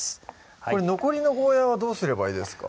これ残りのゴーヤはどうすればいいですか？